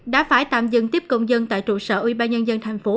đã phải tạm dừng tiếp công dân tại trụ sở ủy ban nhân dân thành phố